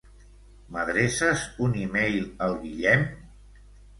M'adreces un e-mail al Guillem?